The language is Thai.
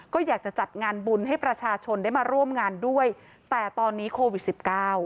ก็อยากจะจัดงานบุญให้ประชาชนได้มาร่วมงานด้วยแต่ตอนนี้โควิดสิบเก้า